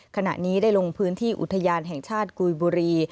ขณะนี้ได้ลงพื้นที่อุทยานแห่งชาติกุยบุรี